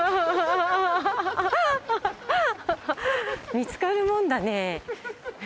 見つかるもんだね。